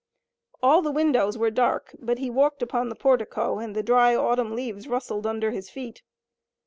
All the windows were dark, but he walked upon the portico and the dry autumn leaves rustled under his feet.